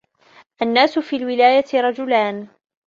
النَّاسُ فِي الْوِلَايَةِ رَجُلَانِ